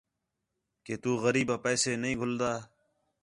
کہ تُو غریبا پیسے نہیں گِھن٘دا